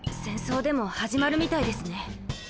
戦争でも始まるみたいですね。